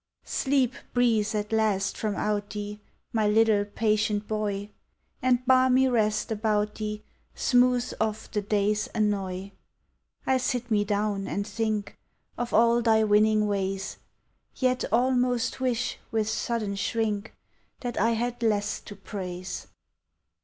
Sleep breathes at last from out thee, My little patient boy; And balmy rest about thee Smooths oil the day's anuoy. 1 sit me down, and think Of all thy winning ways; Yet almost wish, with sudden shrink, That I had less to praise.